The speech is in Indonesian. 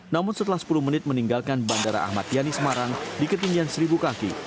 namun setelah sepuluh menit meninggalkan bandara ahmad yani semarang di ketinggian seribu kaki